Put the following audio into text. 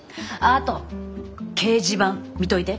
あと掲示板見といて。